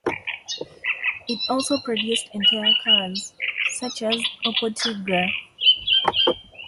It also produced entire cars, such as the Opel Tigra.